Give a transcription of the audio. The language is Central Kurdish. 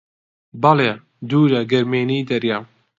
بەڵێ: دوورە گەرمێنی دەریا